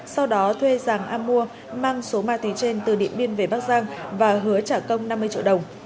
sau đó thuê giàng a mua mang số ma túy trên từ điện biên về bắc giang và hứa trả công năm mươi triệu đồng